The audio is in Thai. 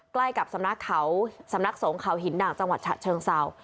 ใกล้กับสำนักเขาสำนักสงฆ์เขาหินด่างจังหวัดฉะเชิงเศร้า